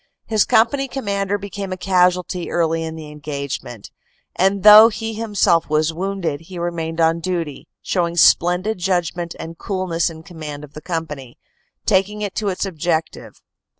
His company com mander became a casualty early in the engagement, and though he himself was wounded, he remained on duty, showing splen did judgment and coolness in command of the company, taking it to its objective.